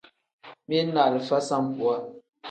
Mili ni alifa sambuwa.